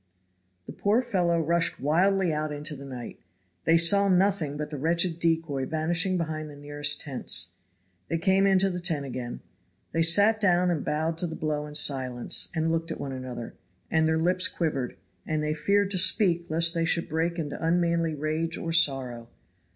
The poor fellows rushed wildly out into the night. They saw nothing but the wretched decoy vanishing behind the nearest tents. They came into the tent again. They sat down and bowed to the blow in silence, and looked at one another, and their lips quivered, and they feared to speak lest they should break into unmanly rage or sorrow.